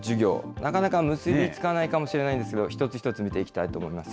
なかなか結び付かないかもしれないんですけど、一つ一つ見ていきたいと思います。